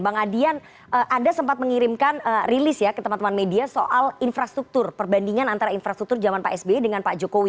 bang adian anda sempat mengirimkan rilis ya ke teman teman media soal infrastruktur perbandingan antara infrastruktur zaman pak sby dengan pak jokowi